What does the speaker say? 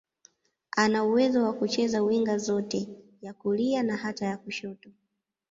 Ana uwezo wa kucheza winga zote, ya kulia na hata ya kushoto.